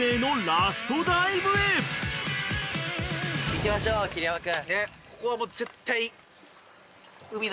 いきましょう桐山君。